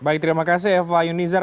baik terima kasih eva yunizar